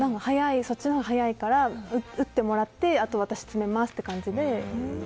そっちのほうが早いから打ってもらってあとは私詰めますって感じで。